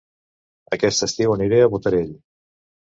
Aquest estiu aniré a Botarell